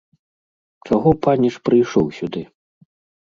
Чаго, паніч, прыйшоў сюды?